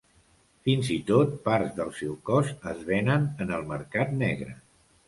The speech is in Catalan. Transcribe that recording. Fins i tot, parts del seu cos es venen en el mercat negre.